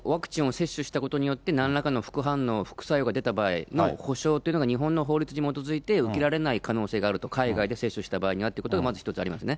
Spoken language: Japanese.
ワクチンを接種したことによって、なんらかの副反応、副作用が出た場合の保証というのが、日本の法律に基づいて受けられない可能性があると、海外で接種した場合にはということがまず一つありますね。